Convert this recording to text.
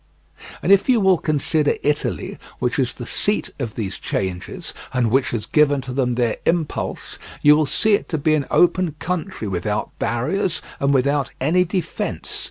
And if you will consider Italy, which is the seat of these changes, and which has given to them their impulse, you will see it to be an open country without barriers and without any defence.